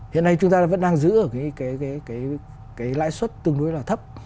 hiện nay chúng ta vẫn đang giữ ở cái lãi suất tương đối là thấp